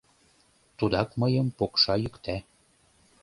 Тудак мыйым пукша-йӱкта...